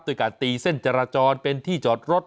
การตีเส้นจราจรเป็นที่จอดรถ